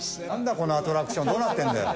このアトラクションどうなってんだよ。